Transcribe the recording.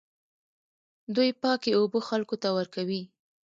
دوی پاکې اوبه خلکو ته ورکوي.